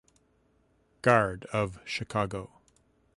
Gard of Chicago.